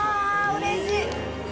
うれしい。